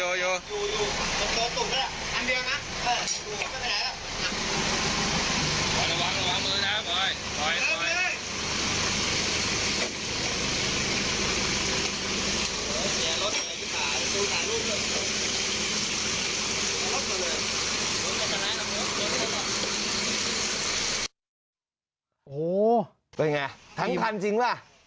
โอ้โฮเป็นอย่างไรทั้งคันจริงหรือเปล่า